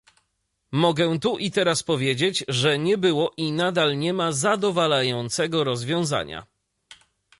Mogę tu i teraz powiedzieć, że nie było i nadal nie ma zadowalającego rozwiązania